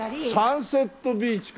サンセットビーチか。